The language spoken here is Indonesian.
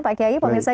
pak kiai pak mesa